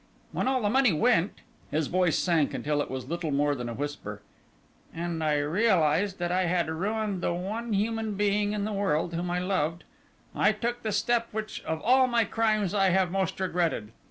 When all the money went," his voice sank until it was little more than a whisper, "and I realized that I had ruined the one human being in the world whom I loved, I took the step which of all my crimes I have most regretted.